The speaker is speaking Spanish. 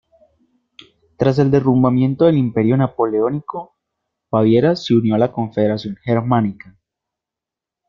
Tras el derrumbamiento del Imperio Napoleónico, Baviera se unió a la Confederación Germánica.